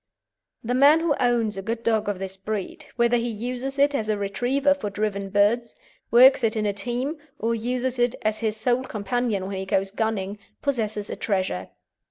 The man who owns a good dog of this breed, whether he uses it as a retriever for driven birds, works it in a team, or uses it as his sole companion when he goes gunning, possesses a treasure.